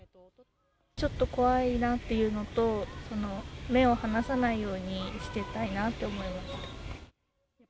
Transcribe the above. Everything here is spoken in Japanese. ちょっと怖いなっていうのと、目を離さないようにしていたいなと思いました。